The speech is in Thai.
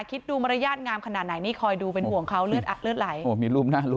คิดดูมริยาติงามขนาดไหน